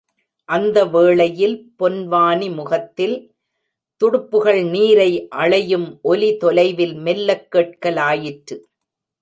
அந்த வேளையில் பொன்வானி முகத்தில் துடுப்புகள் நீரை அளையும் ஒலி தொலைவில் மெல்லக் கேட்கலாயிற்று.